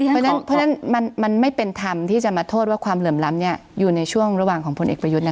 เพราะฉะนั้นมันไม่เป็นธรรมที่จะมาโทษว่าความเหลื่อมล้ำอยู่ในช่วงระหว่างของพลเอกประยุทธ์